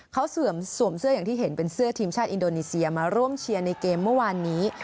เขาสวมเสื้ออย่างที่เห็นเป็นเสื้อทีมชาติอินโดนีเซียมาร่วมเชียร์ในเกมเมื่อวานนี้